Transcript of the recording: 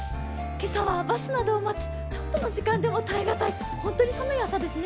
今朝はバスなどを待つ、ちょっとの時間でも耐えがたい、本当に寒い朝ですね。